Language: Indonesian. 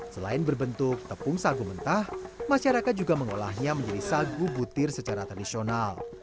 selain berbentuk tepung sagu mentah masyarakat juga mengolahnya menjadi sagu butir secara tradisional